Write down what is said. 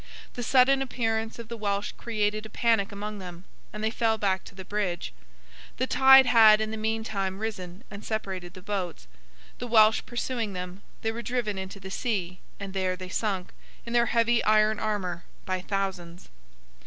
The sudden appearance of the Welsh created a panic among them, and they fell back to the bridge. The tide had in the meantime risen and separated the boats; the Welsh pursuing them, they were driven into the sea, and there they sunk, in their heavy iron armour, by thousands.